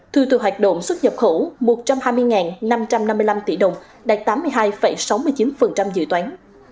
thu từ hoạt động xuất nhập khẩu một trăm hai mươi năm trăm năm mươi năm tỷ đồng đạt tám mươi hai sáu mươi chín dự toán